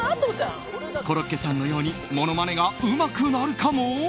コロッケさんのようにものまねがうまくなるかも？